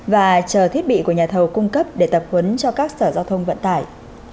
và chờ thiết bị của nhà thầu cung cấp để tập huấn cho các sở giao thông vận tải